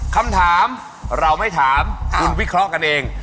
คำถามเราไม่ถามคุณวิเคราะห์กันเอง